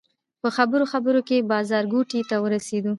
په خبرو خبرو کې بازارګوټي ته ورسېدو.